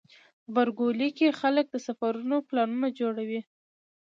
غبرګولی کې خلک د سفرونو پلانونه جوړوي.